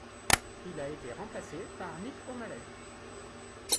Il a été remplacé par Nick O'Malley.